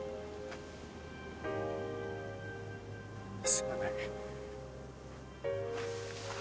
すまない。